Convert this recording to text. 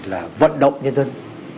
là vận động nhân dân